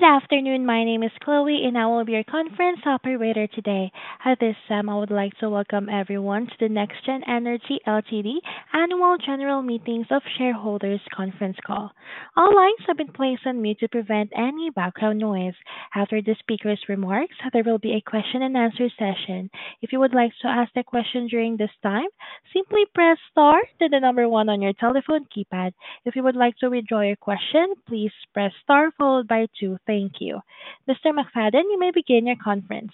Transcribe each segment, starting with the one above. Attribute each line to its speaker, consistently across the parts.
Speaker 1: Good afternoon. My name is Chloe, and I will be your conference operator today. At this time, I would like to welcome everyone to the NexGen Energy Ltd. Annual General Meetings of Shareholders conference call. All lines have been placed on mute to prevent any background noise. After the speaker's remarks, there will be a question-and-answer session. If you would like to ask a question during this time, simply press star then the number one on your telephone keypad. If you would like to withdraw your question, please press star followed by two. Thank you. Mr. McFadden, you may begin your conference.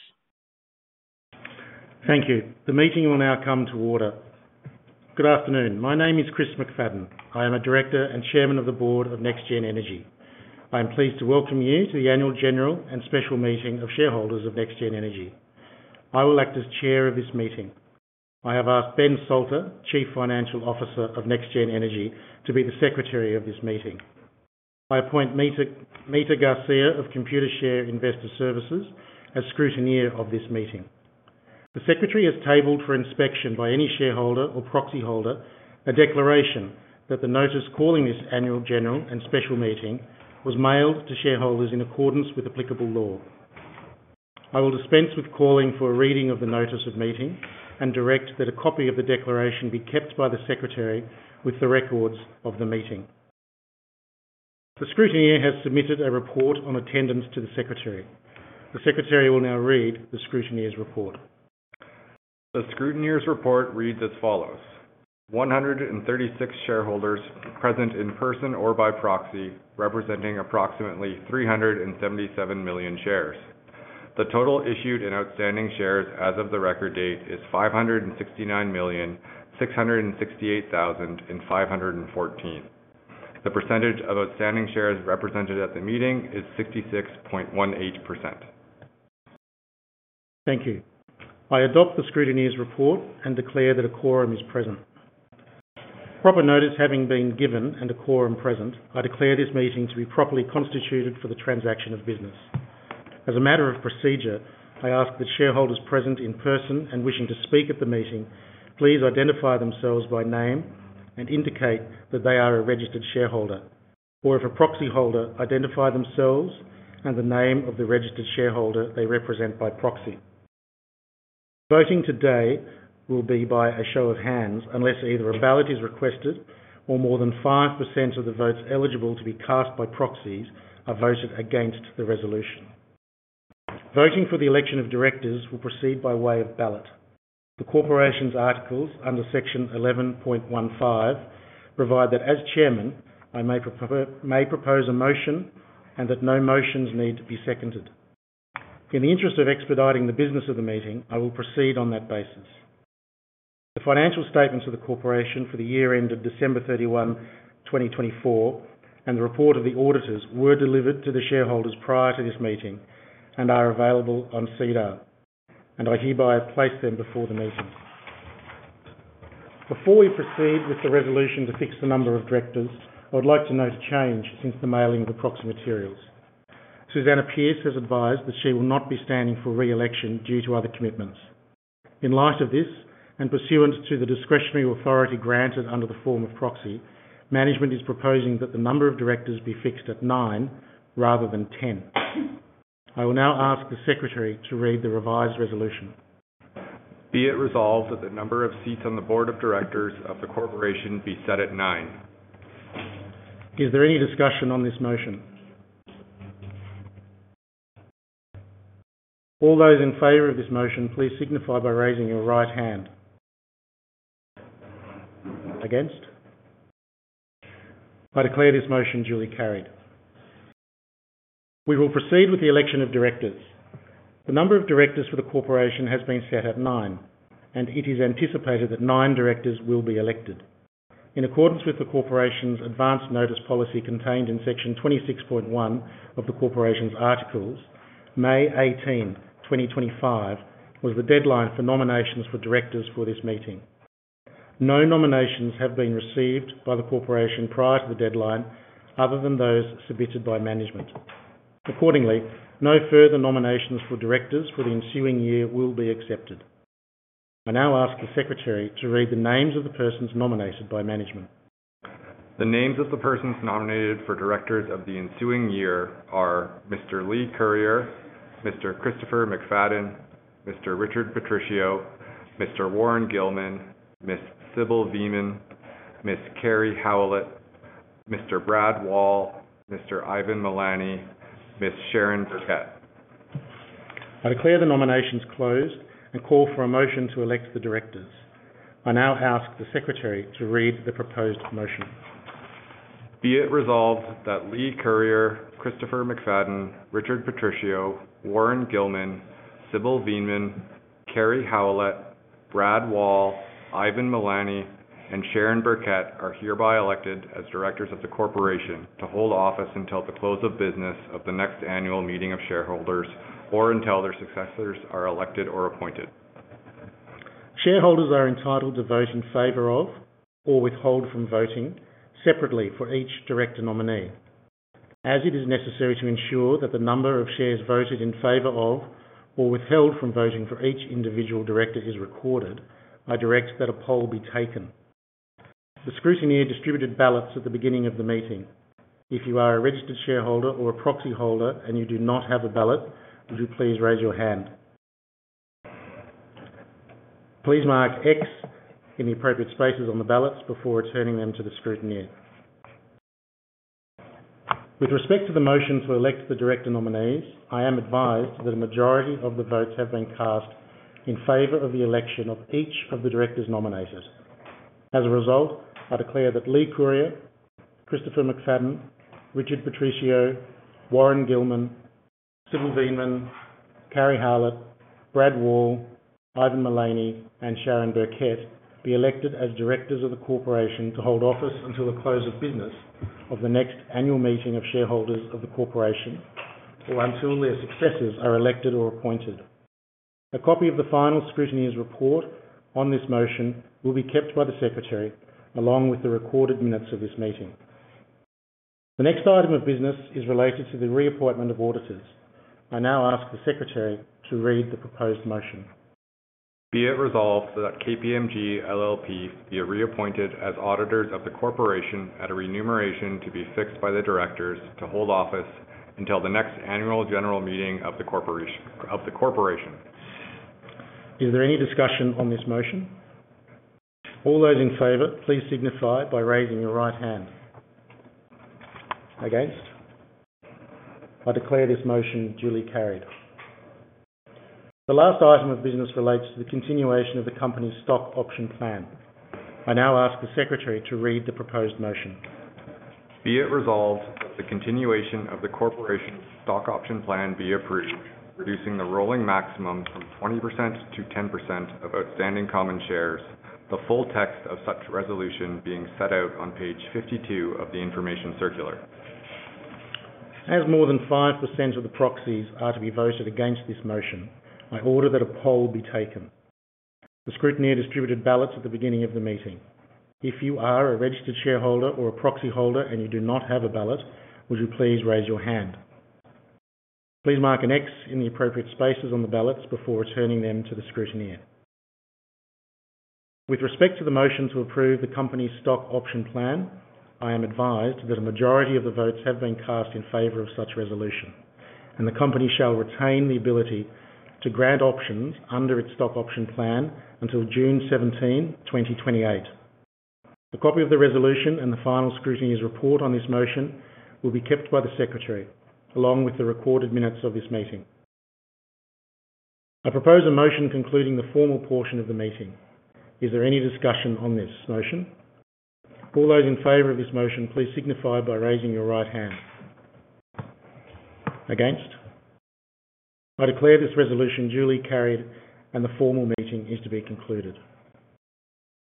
Speaker 2: Thank you. The meeting will now come to order. Good afternoon. My name is Chris McFadden. I am a director and chairman of the board of NexGen Energy. I am pleased to welcome you to the Annual General and Special Meeting of Shareholders of NexGen Energy. I will act as chair of this meeting. I have asked Ben Salter, Chief Financial Officer of NexGen Energy, to be the secretary of this meeting. I appoint Meta Garcia of Computershare Investor Services as scrutineer of this meeting. The secretary has tabled for inspection by any shareholder or proxy holder a declaration that the notice calling this Annual General and Special Meeting was mailed to shareholders in accordance with applicable law. I will dispense with calling for a reading of the notice of meeting and direct that a copy of the declaration be kept by the secretary with the records of the meeting. The scrutineer has submitted a report on attendance to the secretary. The secretary will now read the scrutineer's report.
Speaker 3: The scrutineer's report reads as follows: 136 shareholders present in person or by proxy representing approximately 377 million shares. The total issued and outstanding shares as of the record date is 569,668,514. The percentage of outstanding shares represented at the meeting is 66.18%.
Speaker 2: Thank you. I adopt the scrutineer's report and declare that a quorum is present. Proper notice having been given and a quorum present, I declare this meeting to be properly constituted for the transaction of business. As a matter of procedure, I ask that shareholders present in person and wishing to speak at the meeting please identify themselves by name and indicate that they are a registered shareholder, or if a proxy holder, identify themselves and the name of the registered shareholder they represent by proxy. Voting today will be by a show of hands unless either a ballot is requested or more than 5% of the votes eligible to be cast by proxies are voted against the resolution. Voting for the election of directors will proceed by way of ballot. The corporation's articles under section 11.15 provide that as chairman, I may propose a motion and that no motions need to be seconded. In the interest of expediting the business of the meeting, I will proceed on that basis. The financial statements of the corporation for the year ended December 31, 2024, and the report of the auditors were delivered to the shareholders prior to this meeting and are available on SEDAR, and I hereby place them before the meeting. Before we proceed with the resolution to fix the number of directors, I would like to note a change since the mailing of the proxy materials. Susanna Pierce has advised that she will not be standing for re-election due to other commitments. In light of this and pursuant to the discretionary authority granted under the form of proxy, management is proposing that the number of directors be fixed at nine rather than ten. I will now ask the secretary to read the revised resolution.
Speaker 3: Be it resolved that the number of seats on the board of directors of the corporation be set at nine.
Speaker 2: Is there any discussion on this motion? All those in favor of this motion, please signify by raising your right hand. Against? I declare this motion duly carried. We will proceed with the election of directors. The number of directors for the corporation has been set at nine, and it is anticipated that nine directors will be elected. In accordance with the corporation's advanced notice policy contained in section 26.1 of the corporation's articles, May 18, 2025, was the deadline for nominations for directors for this meeting. No nominations have been received by the corporation prior to the deadline other than those submitted by management. Accordingly, no further nominations for directors for the ensuing year will be accepted. I now ask the secretary to read the names of the persons nominated by management.
Speaker 3: The names of the persons nominated for directors of the ensuing year are Mr. Lee Curyer, Mr. Christopher McFadden, Mr. Richard Patricio, Mr. Warren Gilman, Ms. Sybil Veeman, Ms. Kerry Howlett, Mr. Brad Wall, Mr. Ivan Milani, Ms. Sharon Burkett.
Speaker 2: I declare the nominations closed and call for a motion to elect the directors. I now ask the secretary to read the proposed motion.
Speaker 3: Be it resolved that Lee Curyer, Christopher McFadden, Richard Patricio, Warren Gilman, Sybil Veeman, Kerry Howlett, Brad Wall, Ivan Milani, and Sharon Burkett are hereby elected as directors of the corporation to hold office until the close of business of the next annual meeting of shareholders or until their successors are elected or appointed.
Speaker 2: Shareholders are entitled to vote in favor of or withhold from voting separately for each director nominee. As it is necessary to ensure that the number of shares voted in favor of or withheld from voting for each individual director is recorded, I direct that a poll be taken. The scrutineer distributed ballots at the beginning of the meeting. If you are a registered shareholder or a proxy holder and you do not have a ballot, would you please raise your hand? Please mark X in the appropriate spaces on the ballots before returning them to the scrutineer. With respect to the motion to elect the director nominees, I am advised that a majority of the votes have been cast in favor of the election of each of the directors nominated. As a result, I declare that Lee Curyer, Christopher McFadden, Richard Patricio, Warren Gilman, Sybil Veeman, Kerry Howlett, Brad Wall, Ivan Milani, and Sharon Burkett be elected as directors of the corporation to hold office until the close of business of the next annual meeting of shareholders of the corporation or until their successors are elected or appointed. A copy of the final scrutineer's report on this motion will be kept by the secretary along with the recorded minutes of this meeting. The next item of business is related to the reappointment of auditors. I now ask the secretary to read the proposed motion.
Speaker 3: Be it resolved that KPMG LLP be reappointed as auditors of the corporation at a remuneration to be fixed by the directors to hold office until the next annual general meeting of the corporation.
Speaker 2: Is there any discussion on this motion? All those in favor, please signify by raising your right hand. Against? I declare this motion duly carried. The last item of business relates to the continuation of the company's stock option plan. I now ask the secretary to read the proposed motion.
Speaker 3: Be it resolved that the continuation of the corporation's stock option plan be approved, reducing the rolling maximum from 20% to 10% of outstanding common shares, the full text of such resolution being set out on page 52 of the information circular.
Speaker 2: As more than 5% of the proxies are to be voted against this motion, I order that a poll be taken. The scrutineer distributed ballots at the beginning of the meeting. If you are a registered shareholder or a proxy holder and you do not have a ballot, would you please raise your hand? Please mark an X in the appropriate spaces on the ballots before returning them to the scrutineer. With respect to the motion to approve the company's stock option plan, I am advised that a majority of the votes have been cast in favor of such resolution, and the company shall retain the ability to grant options under its stock option plan until June 17, 2028. The copy of the resolution and the final scrutineer's report on this motion will be kept by the secretary along with the recorded minutes of this meeting. I propose a motion concluding the formal portion of the meeting. Is there any discussion on this motion? All those in favor of this motion, please signify by raising your right hand. Against? I declare this resolution duly carried and the formal meeting is to be concluded.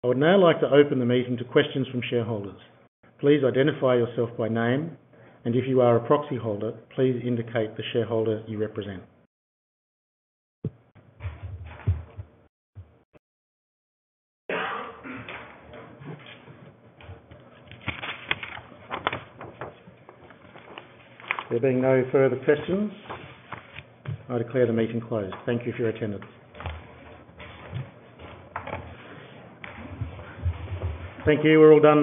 Speaker 2: I would now like to open the meeting to questions from shareholders. Please identify yourself by name, and if you are a proxy holder, please indicate the shareholder you represent. There being no further questions, I declare the meeting closed. Thank you for your attendance. Thank you. We're all done.